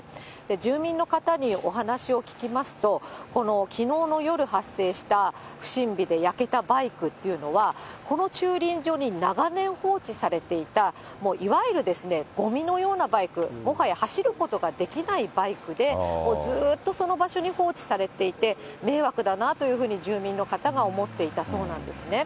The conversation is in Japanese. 住民の方にお話を聞きますと、きのうの夜発生した不審火で焼けたバイクというのは、この駐輪場に長年放置されていた、もういわゆるごみのようなバイク、もはや走ることができないバイクで、もうずっとその場所に放置されていて、迷惑だなというふうに住民の方が思っていたそうなんですね。